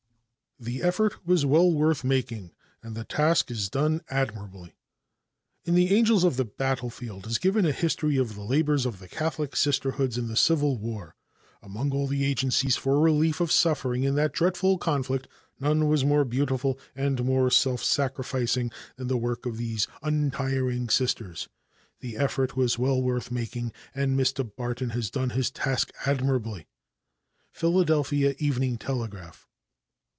The Effort "Was Well Worth Making, and the Task is Done Admirably." In the "Angels of the Battlefield" is given a history of the labors of the Catholic Sisterhoods in the Civil War. Among all the agencies for relief of suffering in that dreadful conflict, none was more beautiful and more self sacrificing than the work of these untiring Sisters. The effort was well worth making, and Mr. Barton has done his task admirably. Philadelphia Evening Telegraph.